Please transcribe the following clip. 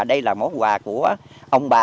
đây là món quà của ông bà